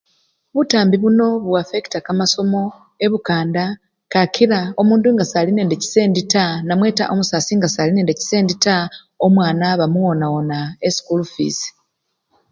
Butambi buno buaffecta kamasomo ebukanda kakila omundu nga Sali nende chisendi taa namwe nga omusasi Sali nechisendi taa, omwana bamuwona wona esikulu fwisi.